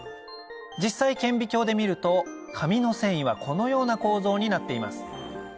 実際顕微鏡で見ると紙の繊維はこのような構造になっています